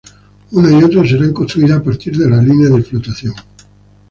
Una y otra serán construidas a partir de la línea de flotación.